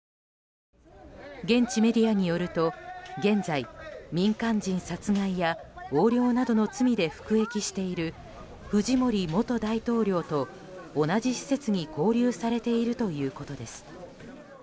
現地メディアによると現在、民間人殺害や横領などの罪で服役しているフジモリ元大統領と同じ施設に勾留されているということです。